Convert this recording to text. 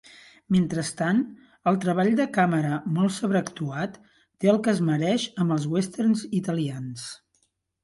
Mentrestant, el treball de càmera molt sobreactuat té el que es mereix amb els westerns italians.